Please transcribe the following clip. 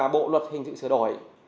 bộ luật hình dự sửa đổi